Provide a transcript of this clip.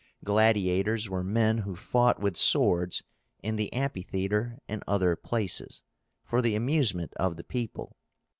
Gladiators were men who fought with swords in the amphitheatre and other places, for the amusement of the people.